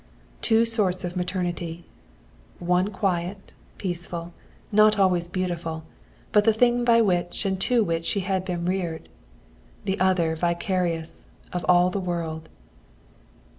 Two sorts of maternity one quiet, peaceful, not always beautiful, but the thing by which and to which she had been reared; the other vicarious, of all the world.